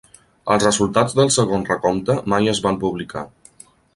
Els resultats del segon recompte mai es van publicar.